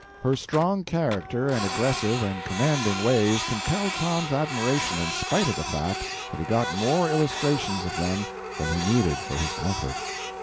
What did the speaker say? Her strong character and aggressive and commanding ways compelled Tom's admiration in spite of the fact that he got more illustrations of them than he needed for his comfort.